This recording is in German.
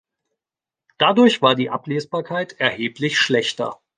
Dadurch war die Ablesbarkeit erheblich schlechter.